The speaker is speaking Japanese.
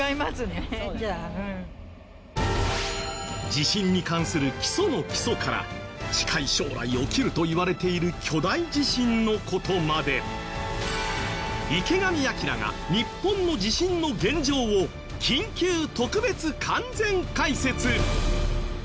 地震に関する基礎の基礎から近い将来起きるといわれている巨大地震の事まで池上彰が日本の地震の現状を緊急特別完全解説。